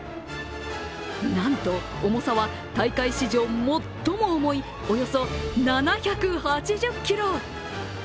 なんと重さは大会史上最も重いおよそ７８０ｋｇ。